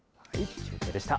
中継でした。